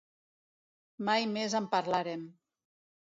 Mai més en parlàrem.